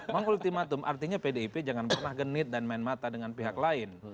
mengultimatum artinya pdip jangan pernah genit dan main mata dengan pihak lain